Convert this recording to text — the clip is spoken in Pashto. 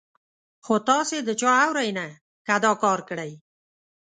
خو تاسې د چا اورئ نه، که دا کار کړئ.